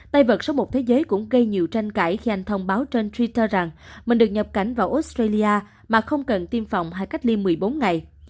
tay vật số một thế giới cũng gây nhiều tranh cãi khi anh thông báo trên twitter rằng mình được nhập cảnh vào australia mà không cần tiêm phòng hay cách ly một mươi bốn ngày